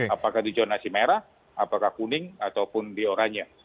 apakah di zonasi merah apakah kuning ataupun di oranye